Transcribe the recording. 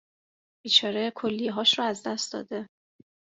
بیچاره کلیه هاش رو از دست داده